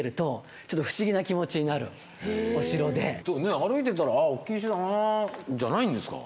歩いてたら「ああ大きい石だなぁ」じゃないんですか？